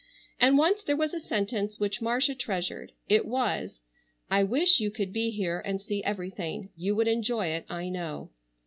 And once there was a sentence which Marcia treasured. It was, "I wish you could be here and see everything. You would enjoy it I know."